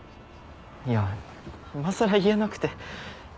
いや今更言えなくて。